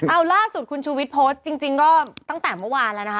เอาล่าสุดคุณชูวิทย์โพสต์จริงก็ตั้งแต่เมื่อวานแล้วนะคะ